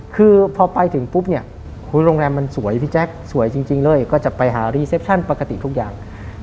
คือพอไปถึงปุ๊บเนี่ยโรงแรมมันสวยพี่แจ๊คสวยจริงเลยก็จะไปหารีเซปชั่นปกติทุกอย่าง